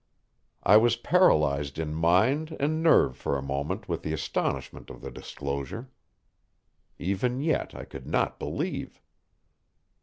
I was paralyzed in mind and nerve for a moment with the astonishment of the disclosure. Even yet I could not believe.